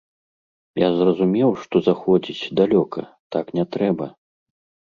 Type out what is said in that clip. Я зразумеў, што заходзіць далёка, так не трэба.